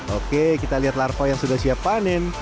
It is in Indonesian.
oke kita lihat larva yang sudah siap panen